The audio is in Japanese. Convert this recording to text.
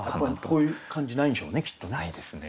こういう感じないんでしょうねきっとね。